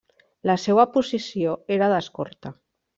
La seua posició era d'escorta.